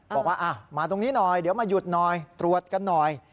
บอกว่ามาตรงนี้หน่อยเดี๋ยวมาหยุดหน่อยตรวจกันหน่อย